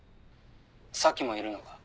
咲もいるのか？